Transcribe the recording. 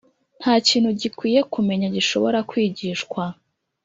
ntakintu gikwiye kumenya gishobora kwigishwa